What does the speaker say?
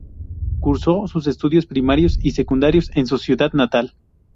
Cursó sus estudios primarios y secundarios en su ciudad natal.